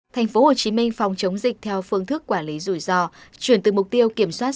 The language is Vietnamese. tp hcm phòng chống dịch theo phương thức quản lý rủi ro chuyển từ mục tiêu kiểm soát